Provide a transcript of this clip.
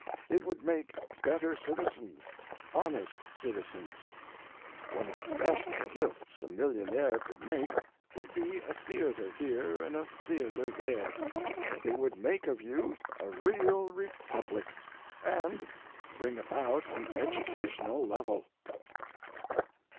It would make better citizens, honest citizens. One of the best gifts a millionaire could make would be a theatre here and a theatre there. It would make of you a real Republic, and bring about an educational level.